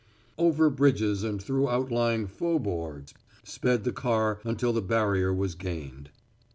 Over bridges and through outlying faubourgs sped the car until the Barrier was gained.